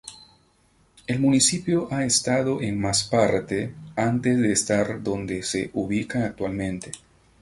El municipio a estado en más parte antes de estar donde se ubica actualmente.